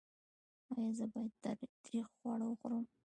ایا زه باید تریخ خواړه وخورم؟